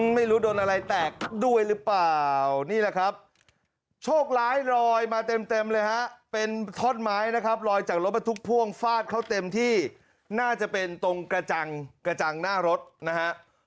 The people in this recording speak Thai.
ไม่รู้โดนอะไรแตกด้วยหรือเปล่านี่แหละครับโชคร้ายลอยมาเต็มเลยฮะเป็นท่อนไม้นะครับลอยจากรถบรรทุกพ่วงฟาดเขาเต็มที่น่าจะเป็นตรงกระจังกระจังหน้ารถนะฮะ